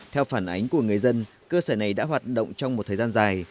theo phản ánh của người dân cơ sở này đã hoạt động trong một thời gian dài